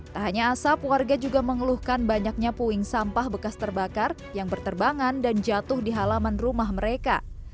tak hanya asap warga juga mengeluhkan banyaknya puing sampah bekas terbakar yang berterbangan dan jatuh di halaman rumah mereka